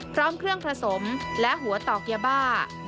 พร้อมเครื่องผสมและหัวต่อยาบ้า